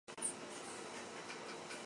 Hementxe duzue elkarrizketa osoa.